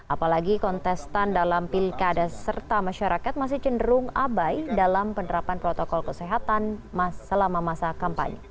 apalagi kontestan dalam pilkada serta masyarakat masih cenderung abai dalam penerapan protokol kesehatan selama masa kampanye